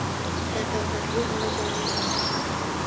Latofatli onajonimsiz